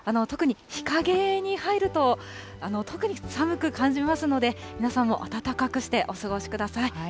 特に日陰に入ると、特に寒く感じますので、皆さんも暖かくしてお過ごしください。